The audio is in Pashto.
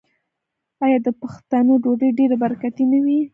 آیا د پښتنو ډوډۍ ډیره برکتي نه وي؟